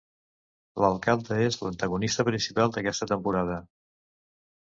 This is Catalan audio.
L'alcalde és l'antagonista principal d'aquesta temporada.